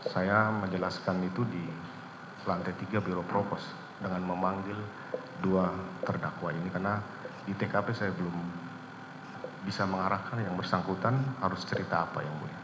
saya menjelaskan itu di lantai tiga biro propos dengan memanggil dua terdakwa ini karena di tkp saya belum bisa mengarahkan yang bersangkutan harus cerita apa yang mulia